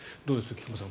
菊間さん